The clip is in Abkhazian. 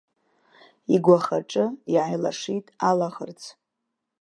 Игәахаҿы иааилашит алаӷырӡ.